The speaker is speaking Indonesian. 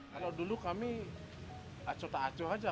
kalau dulu kami acuh acuh aja